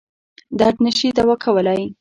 درد نه شي دوا کولای.